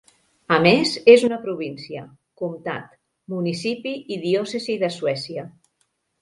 A més, és una província, comtat, municipi i diòcesi de Suècia.